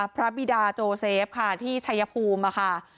บิดาโจเซฟค่ะที่ชัยภูมิค่ะ